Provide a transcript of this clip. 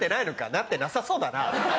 なってなさそうだな。